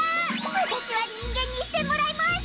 私は人間にしてもらいます！